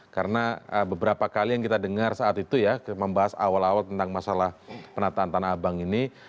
karena beberapa kali yang kita dengar saat itu ya membahas awal awal tentang masalah penataan tanah abang ini